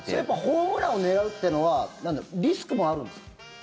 ホームランを狙うってのは、なんだろうリスクもあるんですか？